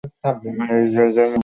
আর এই জায়গায়ই হলো মস্ত ভুল।